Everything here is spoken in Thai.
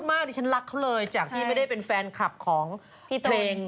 พูดมากเลยฉันรักเขาเลยจากที่ไม่ได้เป็นแฟนคลับของเพลง